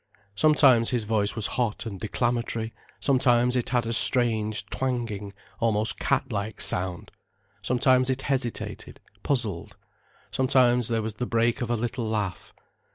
Sometimes his voice was hot and declamatory, sometimes it had a strange, twanging, almost cat like sound, sometimes it hesitated, puzzled, sometimes there was the break of a little laugh.